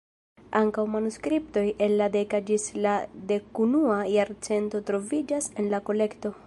Ankaŭ manuskriptoj el la deka ĝis la dekunua jarcento troviĝas en la kolekto.